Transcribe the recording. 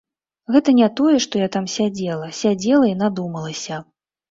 Гэта не тое што я там сядзела, сядзела і надумалася.